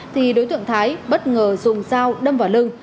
thì đối tượng thái bất ngờ dùng dao đâm vào lưng